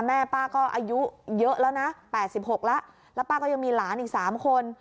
ป้าก็อายุเยอะแล้วนะ๘๖แล้วแล้วป้าก็ยังมีหลานอีก๓คน